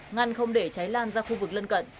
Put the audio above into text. ngăn không để cháy lan ra khu vực lân cận